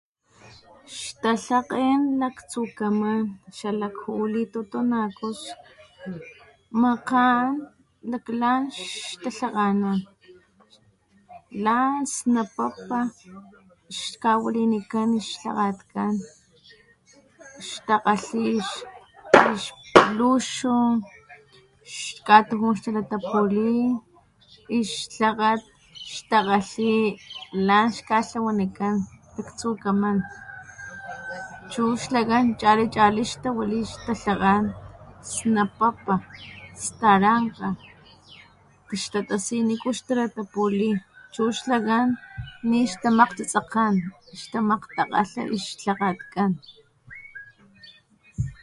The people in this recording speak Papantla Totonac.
Xtalhakgen laktsukaman xalak juu litotonakos makgan lakglan xtalhakganan snapapa xkawalinikan xlhakgatkan xtakgalhi ixluxu katujun xtalatapuli ixlhakgat xtakgalhi lan xkatlawanikan latsukaman chu xlakan chali chali xtawali ixtalhakgan snapapa starankga xtatasi xniku xtalatapuli nixtamakgtsitsakgan xtamakgtakgalha ixlhakgatkgan